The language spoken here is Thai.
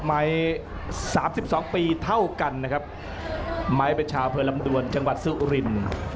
ไมค์๓๒ปีเท่ากันนะครับไมค์เป็นชาวเพลินลำดวนจังหวัดซุริน